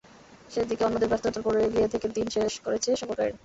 শেষ দিকে অন্যদের ব্যর্থতার পরও এগিয়ে থেকে দিন শেষ করেছে সফরকারীরা।